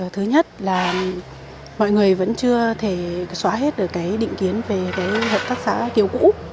thứ nhất là mọi người vẫn chưa thể xóa hết được cái định kiến về cái hợp tác xã kiểu cũ